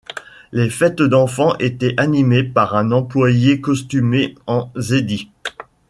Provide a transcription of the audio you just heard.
Les fêtes d'enfant étaient animées par un employé costumé en Zeddy.